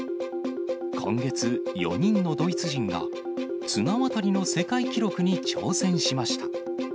今月、４人のドイツ人が綱渡りの世界記録に挑戦しました。